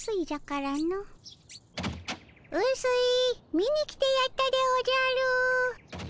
見に来てやったでおじゃる。